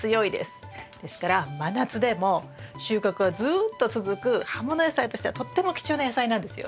ですから真夏でも収穫はずっと続く葉もの野菜としてはとっても貴重な野菜なんですよ。